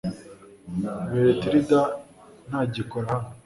Beretirida ntagikora hano .